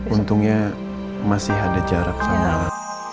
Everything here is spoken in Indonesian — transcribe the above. untungnya masih ada jarak sama